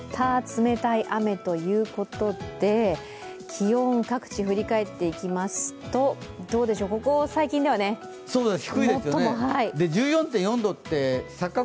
冷たい雨ということで気温、各地振り返っていきますとどうでしょう、ここ最近では最も。